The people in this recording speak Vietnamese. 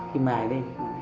khi mài lên